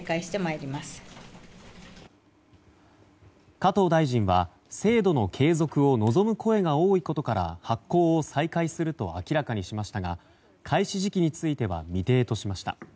加藤大臣は制度の継続を望む声が多いことから発行を再開すると明らかにしましたが開始時期については未定としました。